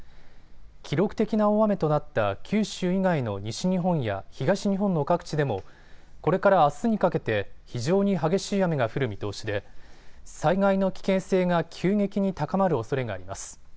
記録的な大雨となった九州以外の西日本や東日本の各地でもこれからあすにかけて非常に激しい雨が降る見通しで災害の危険性が急激に高まるおそれがあります。